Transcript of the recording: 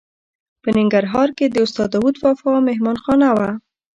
په ننګرهار کې د استاد داود وفا مهمانه خانه وه.